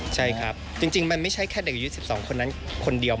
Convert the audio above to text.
ใช่ครับจริงมันไม่ใช่แค่เด็กอายุ๑๒คนนั้นคนเดียว